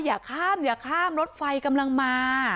อย่าข้ามอย่าข้ามรถไฟกำลังมา